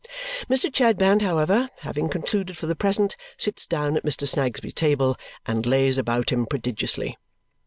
Mr. Chadband, however, having concluded for the present, sits down at Mr. Snagsby's table and lays about him prodigiously.